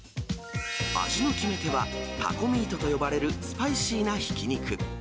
味の決め手は、タコミートと呼ばれるスパイシーなひき肉。